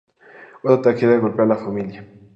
Otra tragedia golpea a la familia.